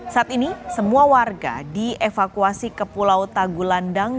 saat ini semua warga dievakuasi ke pulau tagulandang